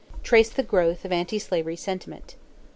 Trace the growth of anti slavery sentiment.